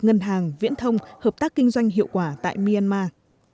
ngân hàng viễn thông hợp tác kinh doanh hiệu quả tại myanmar